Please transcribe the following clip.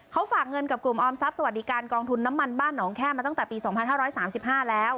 เขาฝากเงินกับกลุ่มออมทรัพย์สวัสดิการกองทุนน้ำมันบ้านหนองแค่มาตั้งแต่ปีสองพันห้าร้อยสามสิบห้าแล้ว